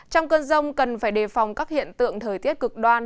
trong cơn rông cần phải đề phòng các hiện tượng thời tiết cực đoan